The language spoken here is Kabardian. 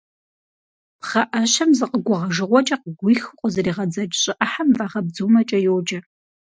Пхъэӏэщэм зэ къыгуэгъэжыгъуэкӏэ къыгуихыу къызэригъэдзэкӏ щӏы ӏыхьэм вагъэбдзумэкӏэ йоджэ.